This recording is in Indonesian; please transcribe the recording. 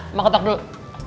oma ketok dulu